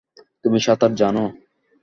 তুমি সাঁতার জানো?